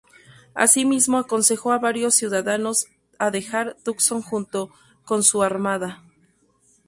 Asimismo aconsejó a varios ciudadanos a dejar Tucson junto con su armada.